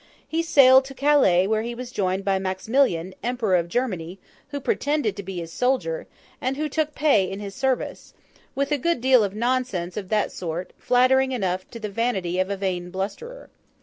He sailed to Calais, where he was joined by Maximilian, Emperor of Germany, who pretended to be his soldier, and who took pay in his service: with a good deal of nonsense of that sort, flattering enough to the vanity of a vain blusterer.